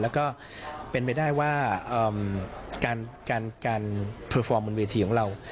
แล้วก็เป็นไปได้ว่าการเพอร์ฟอร์มบนเวทีของเรา